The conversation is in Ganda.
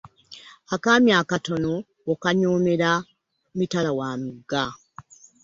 Akaami akatono okanyomera mitala wa mugga .